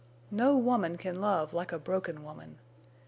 No woman can love like a broken woman.